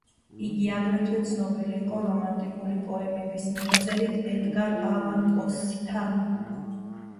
იგი აგრეთვე ცნობილი იყო რომანტიკული პოემების მიმოწერით ედგარ ალან პოსთან.